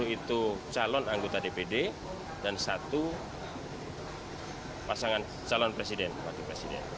sepuluh itu calon anggota dpd dan satu pasangan calon presiden wakil presiden